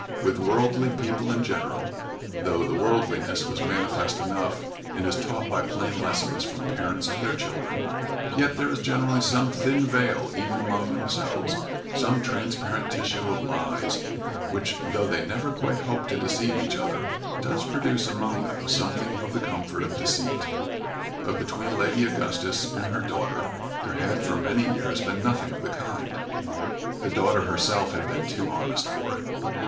With worldly people in general, though the worldliness is manifest enough and is taught by plain lessons from parents to their children, yet there is generally some thin veil even among themselves, some transparent tissue of lies, which, though they never quite hope to deceive each other, does produce among them something of the comfort of deceit. But between Lady Augustus and her daughter there had for many years been nothing of the kind. The daughter herself had been too honest for it.